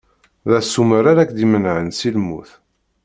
D asumer ara k-d-imenɛen si lmut.